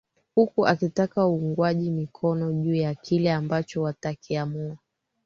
huku akitaka uungwaji mikono juu ya kile ambacho watakiamua